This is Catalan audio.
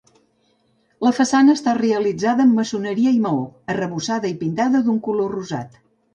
La façana està realitzada en maçoneria i maó, arrebossada i pintada d'un color rosat.